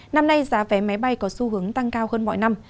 năm nay giá vé máy bay có xu hướng tăng cao hơn mọi năm